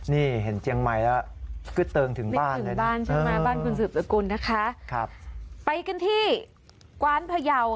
นี่เห็นเจียงใหม่ละ